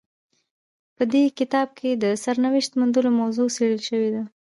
په دې کتاب کې د سرنوشت موندلو موضوع څیړل شوې ده.